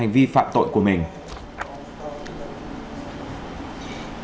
vì phạm tội của mình